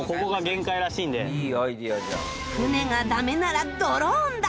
船がダメならドローンだ！